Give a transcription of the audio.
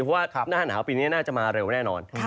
เพราะว่าหน้าหนาวปีนี้น่าจะมาเร็วแน่นอน